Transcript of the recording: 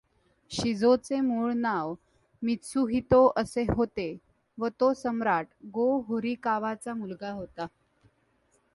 शिजोचे मूळ नाव मित्सुहितो असे होते व तो सम्राट गो होरिकावाचा मुलगा होता.